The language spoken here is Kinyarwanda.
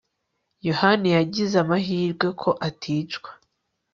yohaniyagize amahirwe ko aticwa